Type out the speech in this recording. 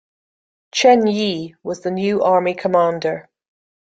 Chen Yi was the new army commander.